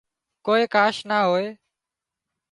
ڪوئي ڪاش نا هوئي